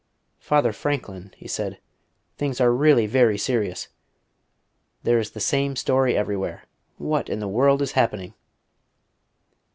"Father Franklin," he said, "things are really very serious. There is the same story everywhere. What in the world is happening?"